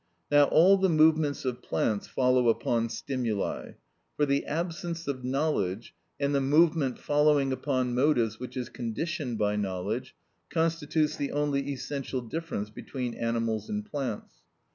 Now all the movements of plants follow upon stimuli; for the absence of knowledge, and the movement following upon motives which is conditioned by knowledge, constitutes the only essential difference between animals and plants.